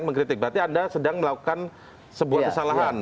mengkritik berarti anda sedang melakukan sebuah kesalahan